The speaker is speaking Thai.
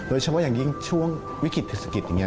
โดยเฉพาะอย่างยิ่งช่วงวิกฤตเศรษฐกิจอย่างนี้